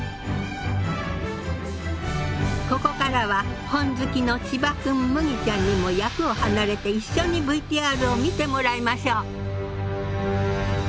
ここからは本好きの千葉君麦ちゃんにも役を離れて一緒にＶＴＲを見てもらいましょう！